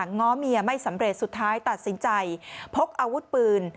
ง้อเมียไม่สำเร็จสุดท้ายตัดสินใจพกอาวุธปืน